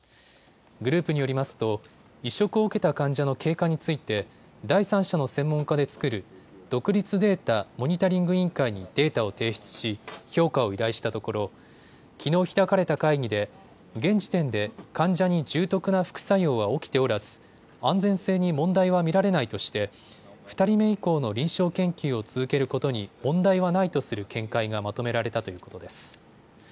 グループによりますと移植を受けた患者の経過について第三者の専門家で作る独立データモニタリング委員会にデータを提出し評価を依頼したところきのう開かれた会議で現時点で患者に重篤な副作用は起きておらず安全性に問題は見られないとして２人目以降の臨床研究を続けることに問題はないとする見解がまとめられたということです。